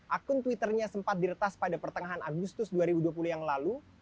akun twitternya sempat diretas pada pertengahan agustus dua ribu dua puluh yang lalu